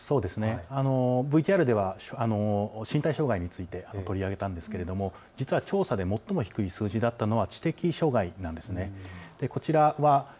ＶＴＲでは身体障害について取り上げたんですけれど実は調査で最も低い投票率だったのは知的障害です。